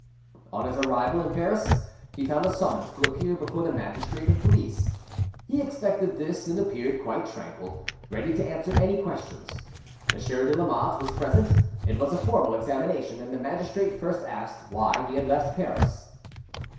On his arrival in Paris he found a summons to appear before the magistrate of police. He expected this, and appeared quite tranquil, ready to answer any questions. Monsieur de Lamotte was present. It was a formal examination, and the magistrate first asked why he had left Paris.